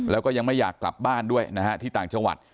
แล้วก็ยังไม่อยากกลับบ้านด้วยนะฮะที่ต่างจังหวัด